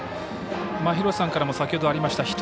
廣瀬さんからも先ほどありました